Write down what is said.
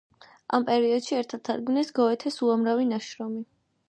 ამ პერიოდში ერთად თარგმნეს გოეთეს უამრავი ნაშრომი.